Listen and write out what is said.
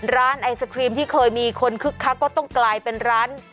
ร้านไอศครีมที่เคยมีคนคึกคักก็ต้องกลายเป็นร้าน